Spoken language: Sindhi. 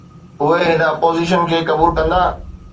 اهي هن پوزيشن کي قبول ڪندا